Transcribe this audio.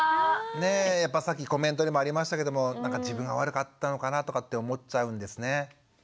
ねえやっぱさっきコメントでもありましたけども自分が悪かったのかなとかって思っちゃうんですね。